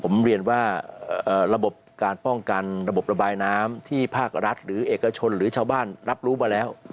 ผมเรียนว่าระบบการป้องกันระบบระบายน้ำที่ภาครัฐหรือเอกชนหรือชาวบ้านรับรู้มาแล้ว